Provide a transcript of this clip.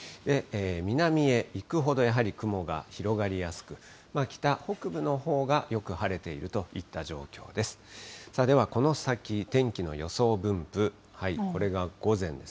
南へいくほどやはり雲が広がりやすく、北、北部のほうがよく晴れているといった状況です。